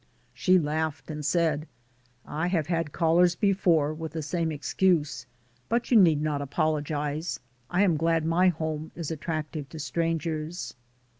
She laughed, and said, "I have had callers before, with the same excuse, but you need not apologize, I am glad my home is attractive to strangers."